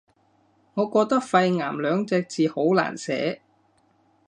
我覺得肺癌兩隻字好難寫